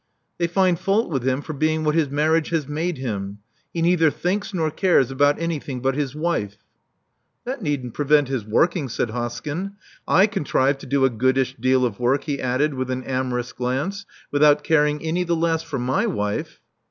They find fault with him for being what his marriage has made him. He neither thinks nor cares about anything but his wife." "That needn't prevent his working," said Hoskyn. "/ contrive to do a goodish deal of work," he added with an amorous glance, "without caring any the less for my wife.